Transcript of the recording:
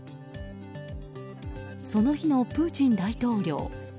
その日のプーチン大統領。